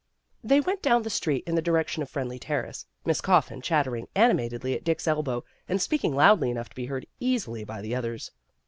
They went down the street in the direction of Friendly Terrace, Miss Coffin chattering animatedly at Dick's elbow, and speaking loudly enough to be heard easily by the others.